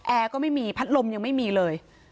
แอร์ก็ไม่มีพัดลมยังไม่มีเลย